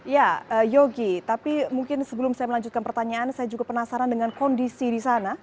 ya yogi tapi mungkin sebelum saya melanjutkan pertanyaan saya juga penasaran dengan kondisi di sana